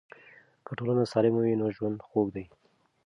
که ټولنه سالمه وي نو ژوند خوږ دی.